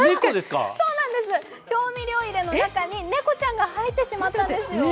調味料入れの中に猫ちゃんが入ってしまったんですよ。